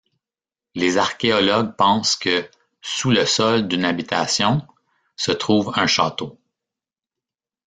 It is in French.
Les archéologues pensent que, sous le sol d'une habitation, se trouve un château.